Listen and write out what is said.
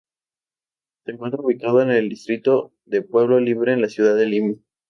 Se encuentra ubicado en el distrito de Pueblo Libre en la ciudad de Lima.